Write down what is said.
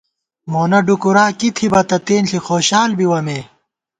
مونہ ڈُوکُورا کی تھِبہ تہ تېنݪی خوشال بِوَہ مے